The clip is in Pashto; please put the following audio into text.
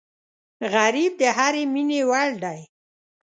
غریب د هرې مینې وړ دی